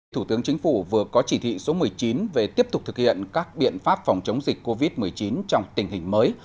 thủ tướng chính phủ vừa có chỉ thị số một mươi chín về tiếp tục thực hiện các biện pháp phòng chống dịch covid một mươi chín trong tình hình mới